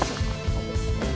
aku ga pewan